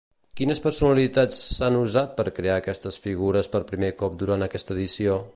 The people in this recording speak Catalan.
Quines personalitats s'han usat per crear aquestes figures per primer cop durant aquesta edició?